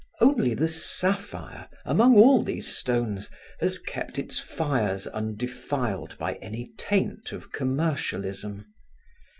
Only the sapphire, among all these stones, has kept its fires undefiled by any taint of commercialism.